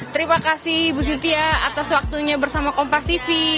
terima kasih ibu sintia atas waktunya bersama kompastv